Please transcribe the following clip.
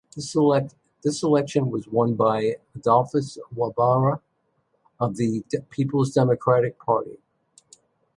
The election was won by Adolphus Wabara of the Peoples Democratic Party.